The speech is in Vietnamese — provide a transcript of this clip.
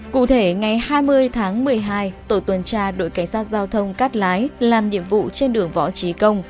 cụ thể ngày hai mươi tháng một mươi hai tổ tuần tra đội cảnh sát giao thông cát lái làm nhiệm vụ trên đường võ trí công